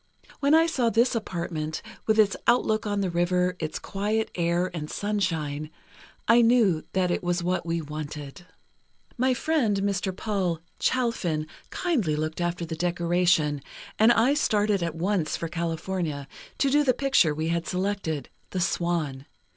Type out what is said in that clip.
When I saw this apartment, with its outlook on the river, its quiet air and sunshine, I knew that it was what we wanted. "My friend, Mr. Paul Chalfin, kindly looked after the decoration, and I started at once for California, to do the picture we had selected, 'The Swan.